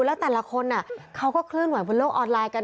แล้วแต่ละคนเขาก็เคลื่อนไหวบนโลกออนไลน์กัน